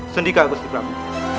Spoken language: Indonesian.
sendika gusti prabu